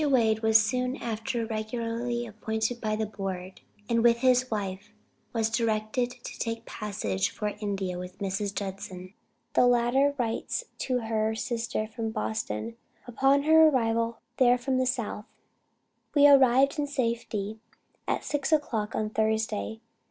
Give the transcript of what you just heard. Wade was soon after regularly appointed by the Board, and with his wife, was directed to take passage for India with Mrs. Judson. The latter writes to her sister from Boston, upon her arrival there from the South, "We arrived in safety at six o'clock on Thursday.